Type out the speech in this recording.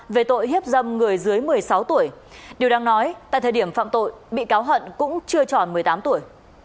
về tội hiếp dâm người dưới một mươi sáu tuổi điều đang nói tại thời điểm phạm tội bị cáo hận cũng chưa tròn một mươi tám tuổi